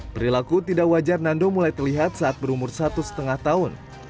perilaku tidak wajar nando mulai terlihat saat berumur satu lima tahun